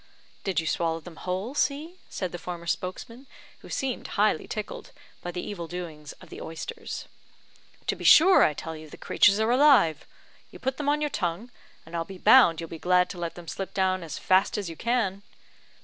"Did you swallow them whole, C ?" said the former spokesman, who seemed highly tickled by the evil doings of the oysters. "To be sure. I tell you, the creatures are alive. You put them on your tongue, and I'll be bound you'll be glad to let them slip down as fast as you can."